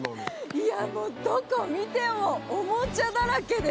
いやもうどこ見てもおもちゃだらけです。